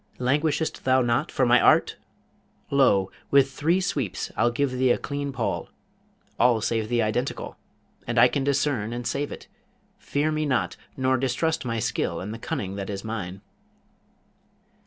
Languishest thou not for my art? Lo! with three sweeps I'll give thee a clean poll, all save the Identical! and I can discern and save it; fear me not, nor distrust my skill and the cunning that is mine.'